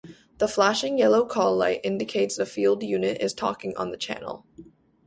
The flashing yellow call light indicates a field unit is talking on the channel.